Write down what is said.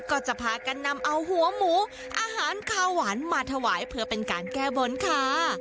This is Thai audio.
ก็จะพากันนำเอาหัวหมูอาหารข้าวหวานมาถวายเพื่อเป็นการแก้บนค่ะ